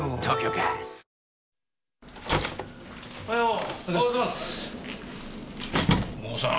おはよう。